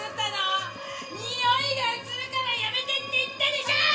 においが移るからやめてって言ったでしょー！